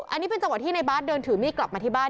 อันนี้เป็นจังหวะที่ในบาร์ดเดินถือมีดกลับมาที่บ้าน